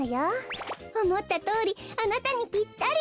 おもったとおりあなたにピッタリ。